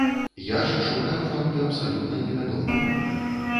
Я ж шукаю факты абсалютна невядомыя.